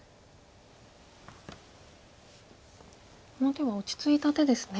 この手は落ち着いた手ですね。